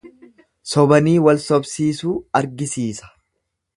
Sobanii wal sobsiisuu argisiisa.